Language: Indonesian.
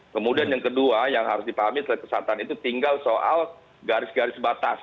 kemudian yang kedua yang harus dipahami terkait kesehatan itu tinggal soal garis garis batas